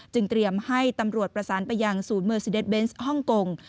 เตรียมให้ตำรวจประสานไปยังศูนย์เมอร์ซีเดสเบนส์ฮ่องกง